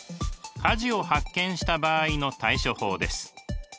火事を発見した場合の対処法です。